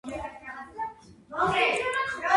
მაგარი და მტკიცე ქანია; თეთრი, რუხი, ან მოწითალო ფერისაა.